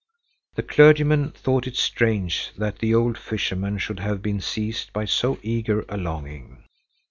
The clergyman thought it strange that the old fisherman should have been seized by so eager a longing.